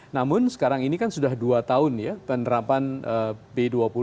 namun sekarang ini kan sudah dua tahun ya penerapan b dua puluh